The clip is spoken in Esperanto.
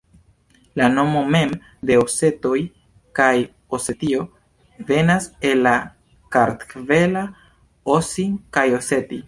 La nomo mem de osetoj kaj Osetio venas el la kartvela osi kaj Oseti.